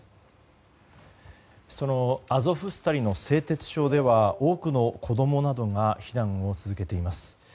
そのアゾフスタリの製鉄所では多くの子供などが避難を続けています。